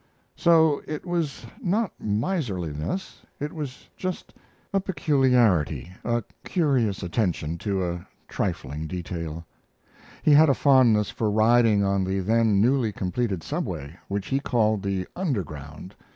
So it was not miserliness; it was just a peculiarity, a curious attention to a trifling detail. He had a fondness for riding on the then newly completed Subway, which he called the Underground.